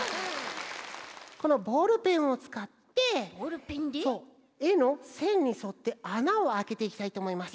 このボールペンをつかってえのせんにそってあなをあけていきたいとおもいます。